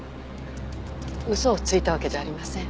嘘をついたわけじゃありません。